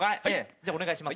じゃあお願いします。